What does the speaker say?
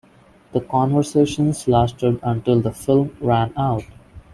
The conversations lasted until the film ran out.